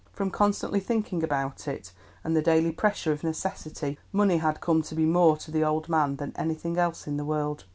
From constantly thinking about it, and the daily pressure of necessity, money had come to be more to the old man than anything else in the world.